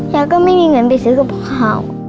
แล้วก็ไม่มีเงินไปซื้อกับพ่อขาว